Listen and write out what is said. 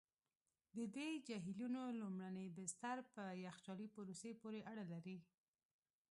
د دې جهیلونو لومړني بستر په یخچالي پروسې پوري اړه لري.